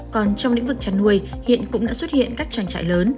còn trong lĩnh vực chăn nuôi hiện cũng đã xuất hiện các trang trại lớn